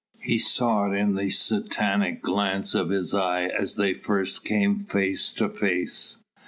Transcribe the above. He saw it in the Satanic glance of his eye as they first came face to face.